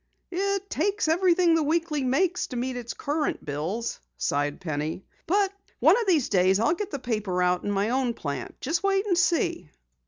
"It takes everything the Weekly makes to meet its current bills," sighed Penny. "But one of these days I'll get the paper out in my own plant. Just wait and see!"